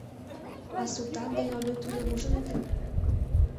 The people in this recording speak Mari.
— А Султан ден Олю тудым ужыныт?